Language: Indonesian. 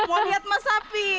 mau lihat masapi